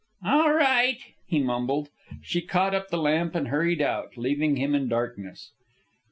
"All right," he mumbled. She caught up the lamp and hurried out, leaving him in darkness.